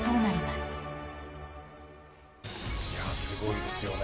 すごいですよね。